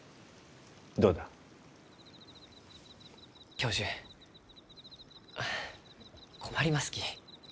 教授あ困りますき。